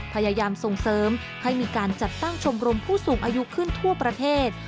พยายามส่งเสริมให้มีการจัดตั้งชมรมผู้สูงอายุขึ้นทั่วประเทศ